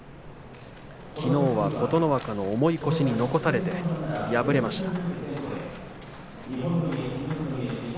きのうは琴ノ若の重い腰に残されて敗れました。